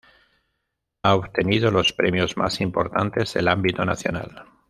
Ha obtenido los premios más importantes del ámbito nacional.